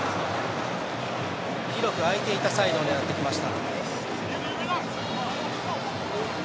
広く空いていたサイドを狙ってきました。